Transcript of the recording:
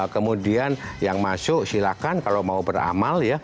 kemudian yang masuk silakan kalau mau beramal ya